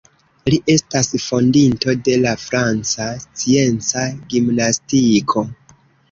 Li estas fondinto de la franca scienca gimnastiko.